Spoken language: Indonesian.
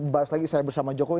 bahas lagi saya bersama jokowi